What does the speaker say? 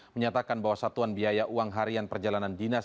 menyatakan bahwa satuan biaya uang harian perjalanan dinas